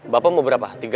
bapak mau berapa